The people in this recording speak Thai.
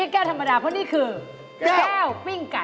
จะเล่นมาตินูนผมก็ไม่กล้า